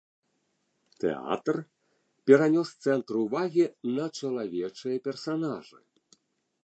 Тэатр перанёс цэнтр увагі на чалавечыя персанажы.